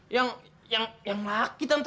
yang yang laki tante